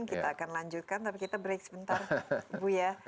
kita akan lanjutkan tapi kita break sebentar bu ya